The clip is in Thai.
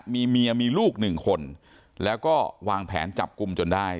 มีเมียมีลูกหนึ่งคนแล้วก็วางแผนจับกลุ่มจนได้